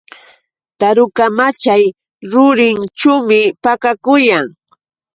Taruka machay rurinćhuumi pakakuyan.